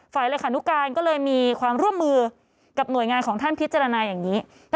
เลขานุการก็เลยมีความร่วมมือกับหน่วยงานของท่านพิจารณาอย่างนี้